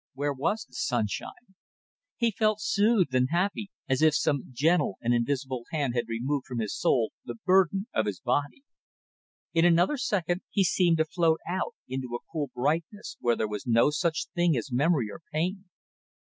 ... Where was the sunshine? ... He felt soothed and happy, as if some gentle and invisible hand had removed from his soul the burden of his body. In another second he seemed to float out into a cool brightness where there was no such thing as memory or pain.